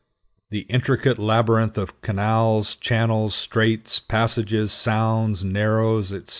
The intricate labyrinth of canals, channels, straits, passages, sounds, narrows, etc.